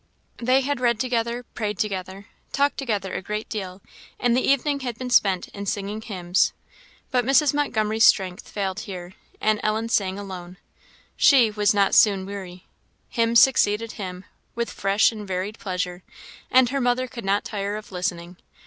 They had read together, prayed together, talked together a great deal; and the evening had been spent in singing hymns; but Mrs. Montgomery's strength failed here, and Ellen sang alone. She was not soon weary. Hymn succeeded hymn, with fresh and varied pleasure; and her mother could not tire of listening.